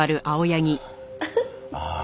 ああ。